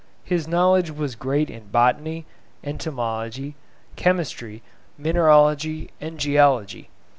His knowledge was great in botany, entomology, chemistry, mineralogy, and geology.